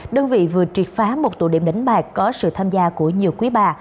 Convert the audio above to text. đơn vị vừa triệt phá một tù điểm đánh bạc có sự tham gia của nhiều quý bà